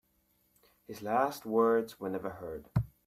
His last words were never heard.